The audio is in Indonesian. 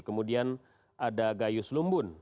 kemudian ada gayus lumbun